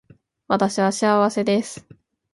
私は幸せです